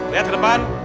lihat di depan